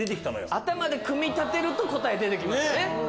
頭で組み立てると答え出て来ますね。